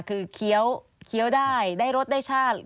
คือเคี้ยวได้ได้รสได้ชาติ